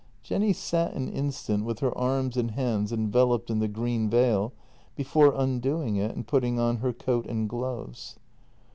Jenny sat an instant with her arms and hands enveloped in the green veil before undoing it and putting on her coat and gloves.